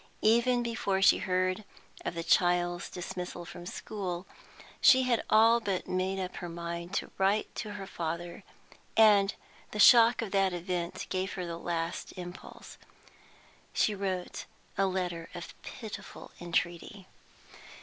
Even before she heard of the child's dismissal from school she had all but made up her mind to write to her father, and the shock of that event gave her the last impulse. She wrote a letter of pitiful entreaty.